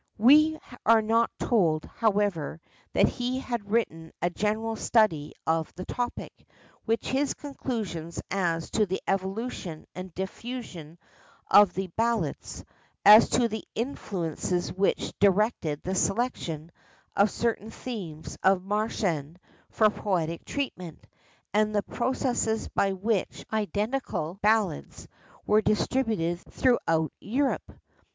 We are not told, however, that he had written a general study of the topic, with his conclusions as to the evolution and diffusion of the Ballads: as to the influences which directed the selection of certain themes of Märchen for poetic treatment, and the processes by which identical ballads were distributed throughout Europe.